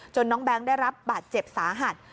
น้องแบงค์ได้รับบาดเจ็บสาหัส